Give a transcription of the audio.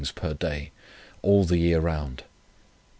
per day, all the year round.